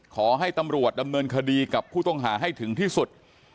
ขอให้ตำรวจดำเนินคดีกับผู้ต้องหาให้ถึงที่สุด